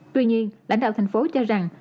tuy nhiên lãnh đạo tp hcm cho rằng